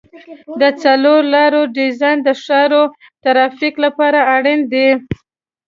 د څلور لارو ډیزاین د ښاري ترافیک لپاره اړین دی